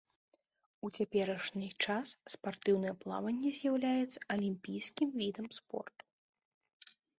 У цяперашні час спартыўнае плаванне з'яўляецца алімпійскім відам спорту.